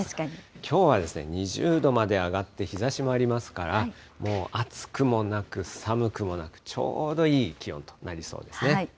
きょうは２０度まで上がって、日ざしもありますから、もう暑くもなく、寒くもなく、ちょうどいい気温となりそうですね。